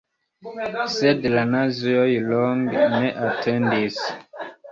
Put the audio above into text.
Sed la nazioj longe ne atendis.